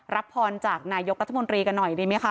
รับพรจากนายกรัฐมนตรีกันหน่อยดีไหมคะ